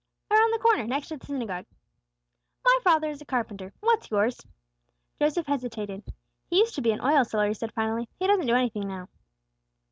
"Around the corner, next to the synagogue." "My father is a carpenter. What's yours?" Joseph hesitated. "He used to be an oil seller," he said finally. "He doesn't do anything now."